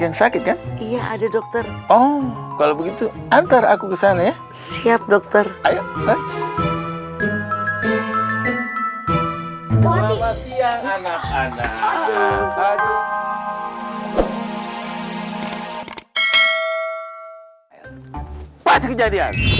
yang sakit ya iya ada dokter oh kalau begitu antar aku kesana ya siap dokter